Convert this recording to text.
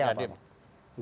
seperti apa bang